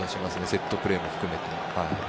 セットプレーも含めて。